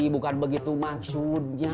bukan begitu maksudnya